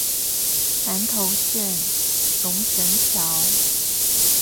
南投縣龍神橋